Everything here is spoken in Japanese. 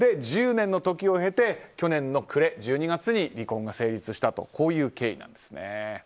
１０年の時を経て去年の暮れ１２月に離婚が成立したという経緯なんです。